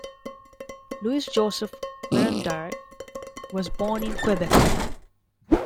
Louis-Joseph Verendrye was born in Quebec.